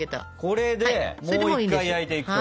ここでもう一回焼いていくと。